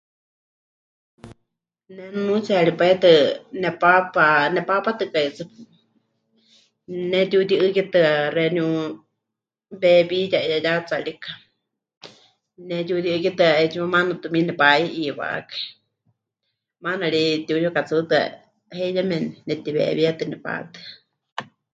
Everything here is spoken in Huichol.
Ne nunuutsiyari pai tɨ nepaapa, nepaapátɨkai tsɨ, pɨnetiuti'ɨ́kitɨa xeeníu weewiya 'iyá yatsarika, pɨnetiuti'ɨ́kitɨa 'etsiwa maana tumiini nepa'i'iiwakai, maana ri pɨtiuyukatsuutɨa heyeme netiweewíetɨ nepatɨa.